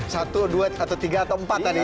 satu dua tiga atau empat tadi ya